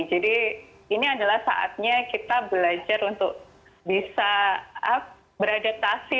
jadi ini adalah saatnya kita belajar untuk bisa beradaptasi